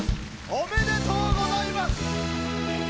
おめでとうございます！